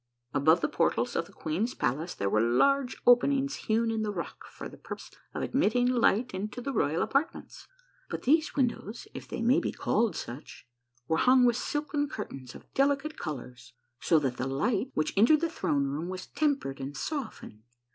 Above the portals of the queen's palace there were large openings hewn in the rock for the purpose of admitting light into the royal apartments ; but these windows, if they may be called such, were hung with silken curtains of delicate colors, so that the light which entered the throne room was tempered and softened.